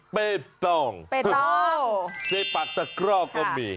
เป็นต้อง